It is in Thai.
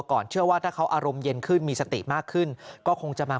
ก่อนเชื่อว่าถ้าเขาอารมณ์เย็นขึ้นมีสติมากขึ้นก็คงจะมา